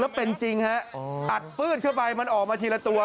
แล้วเป็นจริงฮะอัดปื้นเข้าไปมันออกมาทีละตัว